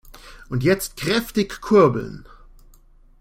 Und jetzt kräftig kurbeln!